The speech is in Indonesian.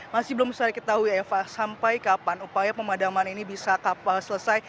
masih belum bisa kita tahu ya eva sampai kapan upaya pemadaman ini bisa selesai